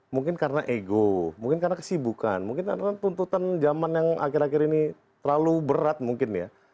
mungkin karena ego mungkin karena kesibukan mungkin tuntutan zaman yang akhir akhir ini terlalu berat mungkin ya